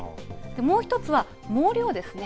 もう１つは毛量ですね。